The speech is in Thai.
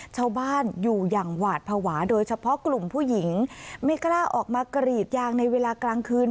ชาวบ้านอยู่อย่างหวาดภาวะโดยเฉพาะกลุ่มผู้หญิงไม่กล้าออกมากรีดยางในเวลากลางคืน